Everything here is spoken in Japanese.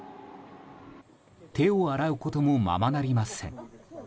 手を洗うこともままなりません。